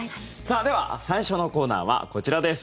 では、最初のコーナーはこちらです。